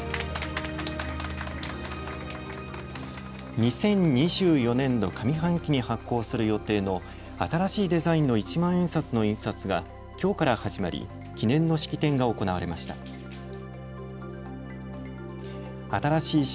２０２４年度上半期に発行する予定の新しいデザインの一万円札の印刷が、きょうから始まり記念の式典が行われました。